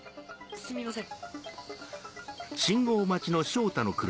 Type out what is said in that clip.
すみません！